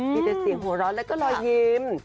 มีแต่เสียงหัวร้อนแล้วก็รอยยิ้ม